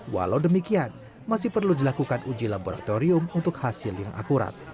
walau demikian masih perlu dilakukan uji laboratorium untuk hasil yang akurat